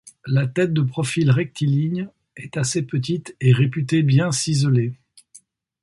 La tête, de profil rectiligne, est assez petite et réputée bien ciselée.